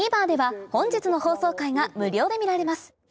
ＴＶｅｒでは本日の放送回が無料で見られます